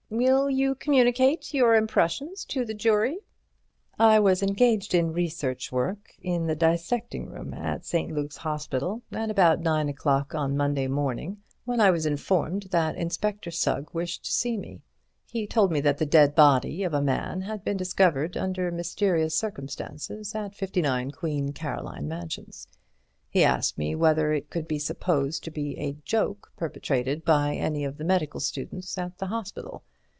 "Will you communicate your impressions to the jury?" "I was engaged in research work in the dissecting room at St. Luke's Hospital at about nine o'clock on Monday morning, when I was informed that Inspector Sugg wished to see me. He told me that the dead body of a man had been discovered under mysterious circumstances at 59 Queen Caroline Mansions. He asked me whether it could be supposed to be a joke perpetrated by any of the medical students at the hospital.